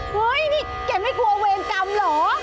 เฮ่ยเธอก็ไม่กลัวเวรกรรมเหรอ